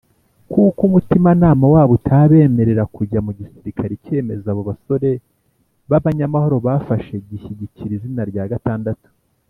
kuko umutimanama wabo utabemerera kujya mu gisirikare Icyemezo abo basore b abanyamahoro bafashe gishyigikira izina rya gatandatu